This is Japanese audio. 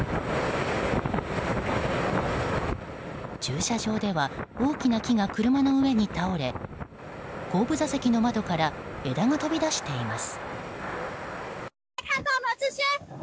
駐車場では大きな木が車の上に倒れ後部座席の窓から枝が飛び出しています。